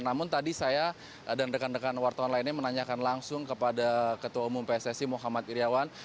namun tadi saya dan rekan rekan wartawan lainnya menanyakan langsung kepada ketua umum pssi muhammad iryawan